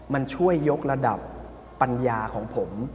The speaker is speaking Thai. มันช่วยยกระดับปัญญาของผม